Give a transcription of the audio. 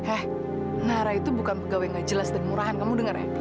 eh nara itu bukan pegawai gak jelas dan murahan kamu dengar ya